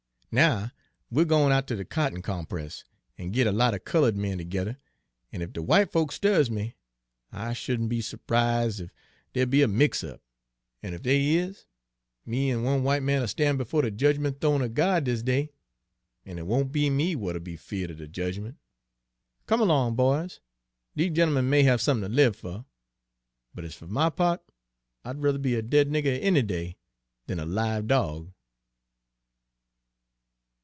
Now we're gwine out ter de cotton compress, an' git a lot er colored men tergether, an' ef de w'ite folks 'sturbs me, I shouldn't be s'prise' ef dere'd be a mix up; an' ef dere is, me an one w'ite man 'll stan' befo' de jedgment th'one er God dis day; an' it won't be me w'at'll be 'feared er de jedgment. Come along, boys! Dese gentlemen may have somethin' ter live fer; but ez fer my pa't, I'd ruther be a dead nigger any day dan a live dog!"